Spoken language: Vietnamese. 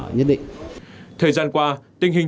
thời gian qua tình hình trộm cắp tài sản đã bị lực lượng